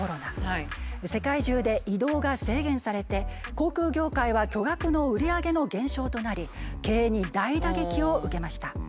世界中で移動が制限されて航空業界は巨額の売り上げの減少となり経営に大打撃を受けました。